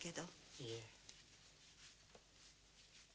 いえ。